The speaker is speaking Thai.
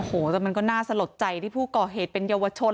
โอ้โหแต่มันก็น่าสลดใจที่ผู้ก่อเหตุเป็นเยาวชน